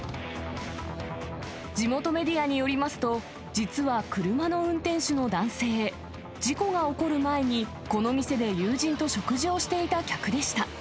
地元メディアによりますと、実は車の運転手の男性、事故が起こる前にこの店で友人と食事をしていた客でした。